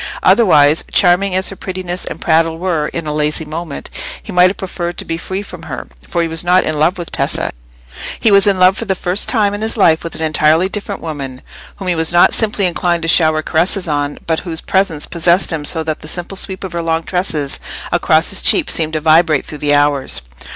Otherwise, charming as her prettiness and prattle were in a lazy moment, he might have preferred to be free from her; for he was not in love with Tessa—he was in love for the first time in his life with an entirely different woman, whom he was not simply inclined to shower caresses on, but whose presence possessed him so that the simple sweep of her long tresses across his cheek seemed to vibrate through the hours.